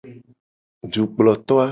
Dukploto a.